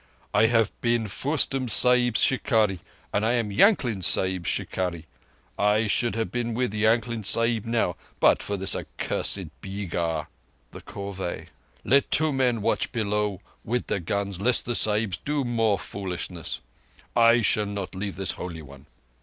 "I have been Fostum Sahib's shikarri, and I am Yankling Sahib's shikarri. I should have been with Yankling Sahib now but for this cursed beegar (the corvée). Let two men watch below with the guns lest the Sahibs do more foolishness. I shall not leave this Holy One."